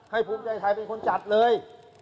ภูมิใจไทยเป็นคนจัดเลย